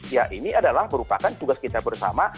ya ini adalah merupakan tugas kita bersama